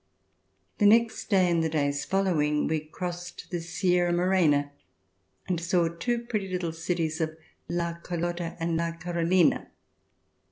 The next day and the days following we crossed the Sierra Morena and saw the two pretty little cities of La Carlota and La Carolina.